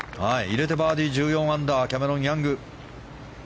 入れてバーディー１４アンダーキャメロン・ヤング。